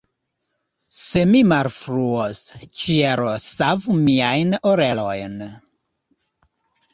Se mi malfruos, ĉielo savu miajn orelojn!